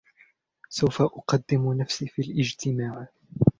سوف أقدم نفسي في الاجتماع.